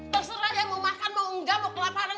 terserah dia mau makan mau engga mau kelaparan